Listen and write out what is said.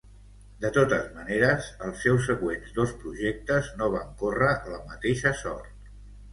De totes maneres, els seus següents dos projectes no van córrer la mateixa sort.